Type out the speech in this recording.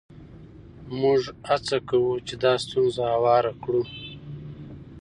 موږ هڅه کوو چې دا ستونزه هواره کړو.